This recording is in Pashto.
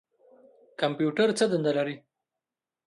کمپیوټر څه دنده لري؟